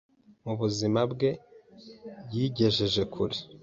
mu buzima bwe yigejeje kure.